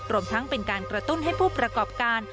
รวมทั้งเป็นการกระตุ้นให้ผู้ประกอบการ